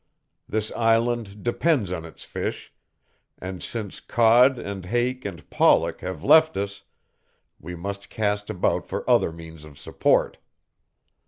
This island depends on its fish, and, since cod and hake and pollock have left us, we must cast about for other means of support.